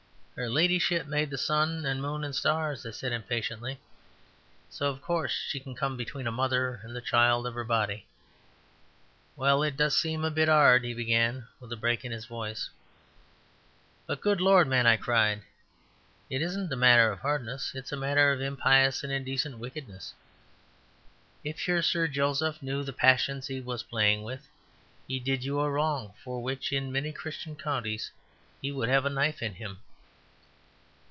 "Her Ladyship made the sun and moon and stars," I said, impatiently. "So of course she can come between a mother and the child of her body." "Well, it does seem a bit 'ard..." he began with a break in his voice. "But, good Lord, man," I cried, "it isn't a matter of hardness! It's a matter of impious and indecent wickedness. If your Sir Joseph knew the passions he was playing with, he did you a wrong for which in many Christian countries he would have a knife in him."